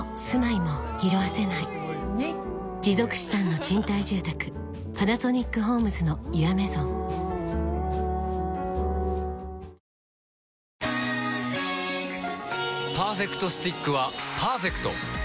持続資産の賃貸住宅「パナソニックホームズのユアメゾン」「パーフェクトスティック」「パーフェクトスティック」はパーフェクト！